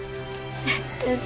先生。